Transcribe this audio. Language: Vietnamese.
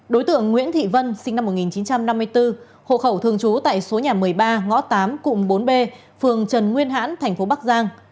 đối tượng nguyễn thị vân sinh năm một nghìn chín trăm năm mươi bốn hộ khẩu thường trú tại số nhà một mươi ba ngõ tám cụm bốn b phường trần nguyên hãn thành phố bắc giang